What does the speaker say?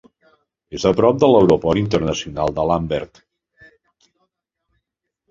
És a prop de l'Aeroport Internacional de Lambert.